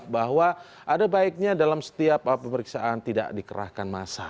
bahwa ada baiknya dalam setiap pemeriksaan tidak dikerahkan masa